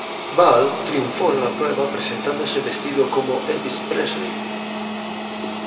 Val triunfó en la prueba presentándose vestido como Elvis Presley.